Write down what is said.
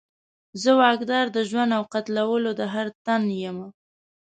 زه واکدار د ژوند او قتلولو د هر تن یمه